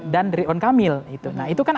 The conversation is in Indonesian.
dan rion kamil gitu nah itu kan